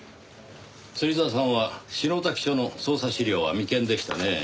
芹沢さんは篠崎署の捜査資料は未見でしたねぇ？